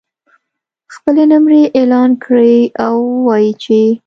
خپلې نمرې اعلان کړي او ووایي چې